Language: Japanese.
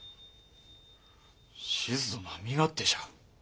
志津殿は身勝手じゃ。